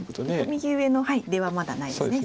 右上の出はまだないですね。